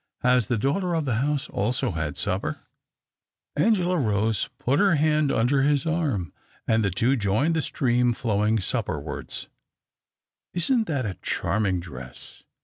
Has the daughter of the house also had supper ?" Angela rose, put her hand under his arm, ind the two joined the stream flowing supper wards. " Isn't that a charming dress